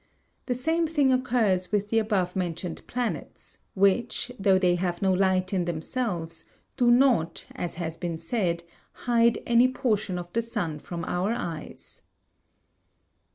The same thing occurs with the above mentioned planets, which, though they have no light in themselves, do not, as has been said, hide any portion of the sun from our eyes.